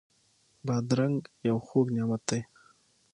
بادرنګ یو خوږ نعمت دی.